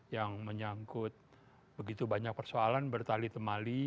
yang menyangkut begitu banyak persoalan bertali temali